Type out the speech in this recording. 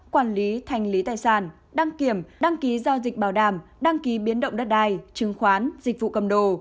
quản lý thành lý tài sản đăng kiểm đăng ký giao dịch bảo đảm đăng ký biến động đất đai chứng khoán dịch vụ cầm đồ